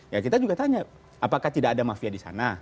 ya kita juga tanya apakah tidak ada mafia di sana